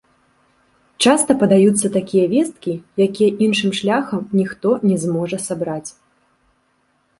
Часта падаюцца такія весткі, якія іншым шляхам ніхто не зможа сабраць.